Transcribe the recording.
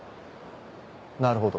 なるほど。